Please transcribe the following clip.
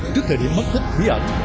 trước thời điểm mất thích quý ảnh